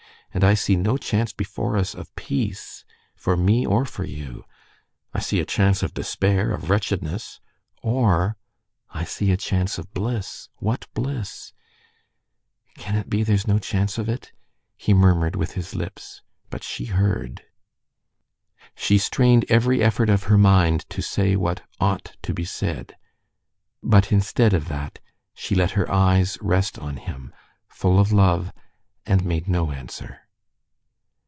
And I see no chance before us of peace for me or for you. I see a chance of despair, of wretchedness ... or I see a chance of bliss, what bliss!... Can it be there's no chance of it?" he murmured with his lips; but she heard. She strained every effort of her mind to say what ought to be said. But instead of that she let her eyes rest on him, full of love, and made no answer.